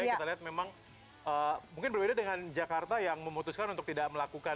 kita lihat memang mungkin berbeda dengan jakarta yang memutuskan untuk tidak melakukan